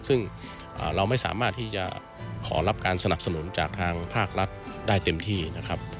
ซึ่งเราไม่สามารถที่จะขอรับการสนับสนุนจากทางภาครัฐได้เต็มที่นะครับ